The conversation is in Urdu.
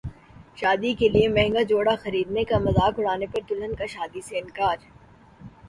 شادی کیلئے مہنگا جوڑا خریدنے کا مذاق اڑانے پر دلہن کا شادی سے انکار